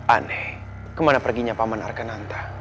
aneh kemana perginya paman arkananta